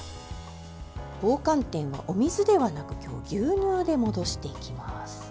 棒寒天はお水ではなく牛乳で戻していきます。